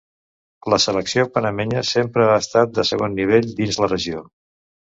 La selecció panamenya sempre ha estat de segon nivell dins la regió.